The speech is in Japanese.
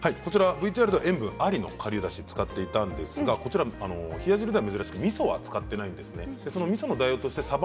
ＶＴＲでは塩分ありを使っていたんですが冷や汁には珍しくみそを使っていないですね。